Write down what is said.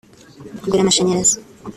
kugura amashanyarazi